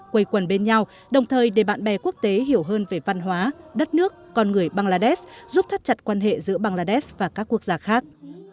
quầy quần bên nhau đồng thời để bạn bè quốc tế hiểu hơn về văn hóa đất nước con người bangladesh giúp thắt chặt quan hệ giữa bangladesh và các quốc gia khác